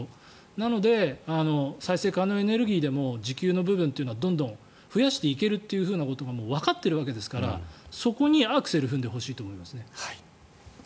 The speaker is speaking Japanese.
なので、再生可能エネルギーでも自給の部分というのはどんどん増やしていけるということがもうわかっているわけですからそこにアクセルを踏んでほしいと思いますね。